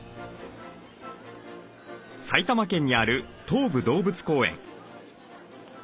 埼玉県にある東武動物公園。